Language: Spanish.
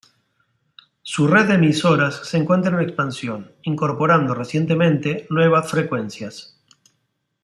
Su red de emisoras se encuentra en expansión, incorporando recientemente nuevas frecuencias.